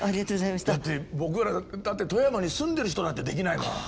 だって僕らだって富山に住んでる人だってできないもん。